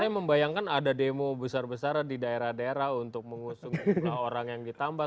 saya membayangkan ada demo besar besaran di daerah daerah untuk mengusung jumlah orang yang ditambah